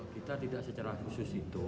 kita tidak secara khusus itu